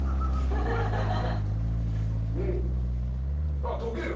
あっとける。